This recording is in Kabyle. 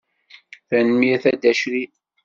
Tanemmirt a Dda Crif.